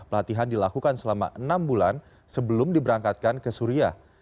pelatihan dilakukan selama enam bulan sebelum diberangkatkan ke suriah